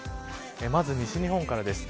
まず、西日本からです。